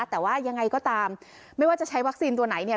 แต่ว่ายังไงก็ตามไม่ว่าจะใช้วัคซีนตัวไหนเนี่ย